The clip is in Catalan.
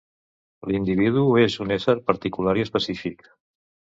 L'individu és un ésser particular i específic.